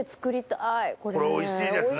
これおいしいですね。